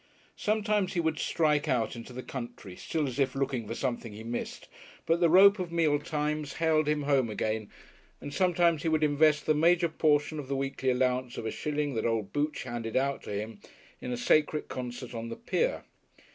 Sometimes he would strike out into the country still as if looking for something he missed but the rope of meal times haled him home again; and sometimes he would invest the major portion of the weekly allowance of a shilling that old Booch handed out to him, in a sacred concert on the pier.